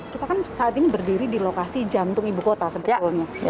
kita kan saat ini berdiri di lokasi jantung ibu kota sebetulnya